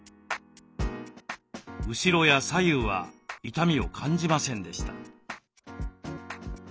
後ろや左右は痛みを感じませんでした。